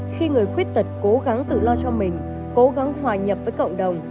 khi người khuyết tật cố gắng tự lo cho mình cố gắng hòa nhập với cộng đồng